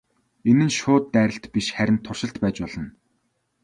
Энэ нь шууд дайралт биш харин туршилт байж болно.